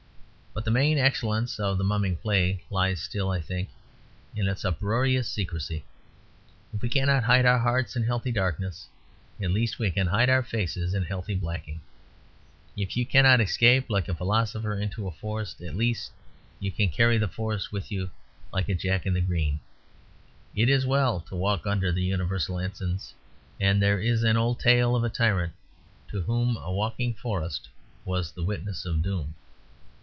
But the main excellence of the Mumming Play lies still, I think, in its uproarious secrecy. If we cannot hide our hearts in healthy darkness, at least we can hide our faces in healthy blacking. If you cannot escape like a philosopher into a forest, at least you can carry the forest with you, like a Jack in the Green. It is well to walk under universal ensigns; and there is an old tale of a tyrant to whom a walking forest was the witness of doom.